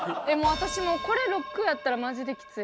私もうこれ６位やったらマジできつい。